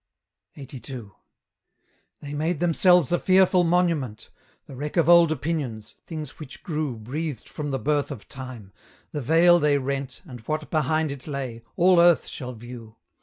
LXXXII. They made themselves a fearful monument! The wreck of old opinions things which grew, Breathed from the birth of time: the veil they rent, And what behind it lay, all earth shall view.